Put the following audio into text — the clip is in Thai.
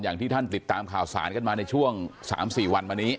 อย่างที่ท่านติดตามข่าวสารกันมาในช่วง๓๔วันมานี้